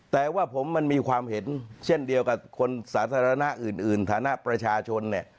แต่ว่าผมมันมีความเห็นเช่นเดียวกับคนสาธารณะอื่นฐานะประชาชนเนี่ย